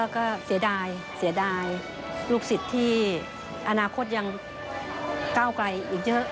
ก็เสียดายลูกศิษย์ที่อนาคตยังเก้าไกลอีกเยอะ